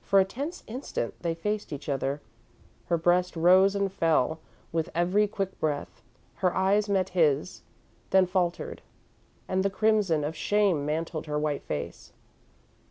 For a tense instant they faced each other. Her breast rose and fell with every quick breath; her eyes met his, then faltered, and the crimson of shame mantled her white face.